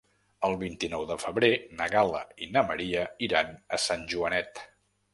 El vint-i-nou de febrer na Gal·la i na Maria iran a Sant Joanet.